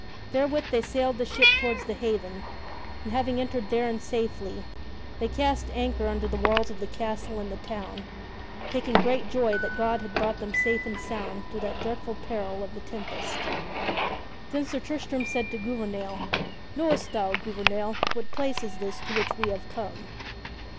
Therewith they sailed the ship toward the haven, and having entered therein in safety, they cast anchor under the walls of the castle and the town, taking great joy that God had brought them safe and sound through that dreadful peril of the tempest. [Sidenote: Sir Tristram comes to Camelot] Then Sir Tristram said to Gouvernail: "Knowest thou, Gouvernail, what place is this to which we have come?"